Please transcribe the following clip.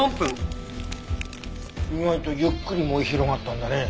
意外とゆっくり燃え広がったんだね。